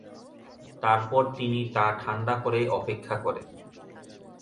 তারপর তিনি তা ঠাণ্ডা করে অপেক্ষা করেন।